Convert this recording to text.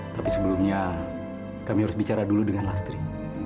tapi sebelumnya kami harus bicara dulu dengan lastri